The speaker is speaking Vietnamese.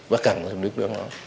và càng giảm được đối với nó